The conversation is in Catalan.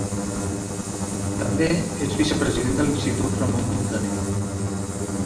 També és vicepresident de l'Institut Ramon Muntaner.